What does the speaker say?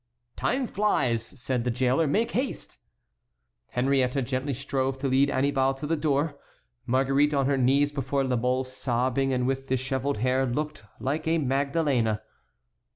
"Time flies," said the jailer; "make haste." Henriette gently strove to lead Annibal to the door. Marguerite on her knees before La Mole, sobbing, and with dishevelled hair, looked like a Magdalene.